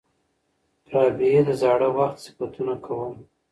رابعې د زاړه وخت صفتونه کول.